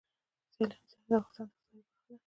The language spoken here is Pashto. سیلاني ځایونه د افغانستان د اقتصاد یوه برخه ده.